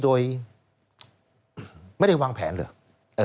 สวัสดีค่ะต้อนรับคุณบุษฎี